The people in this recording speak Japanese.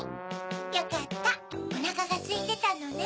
よかったおなかがすいてたのね。